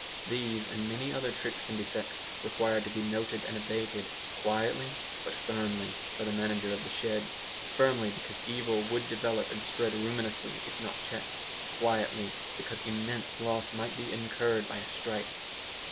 These and many other tricks and defects require to be noted and abated, quietly but firmly, by the manager of the shed firmly because evil would develop and spread ruinously if not checked; quietly because immense loss might be incurred by a strike.